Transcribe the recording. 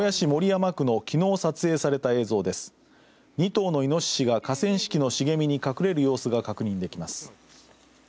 ２頭のいのししが河川敷の茂みに隠れる様子が確認できます。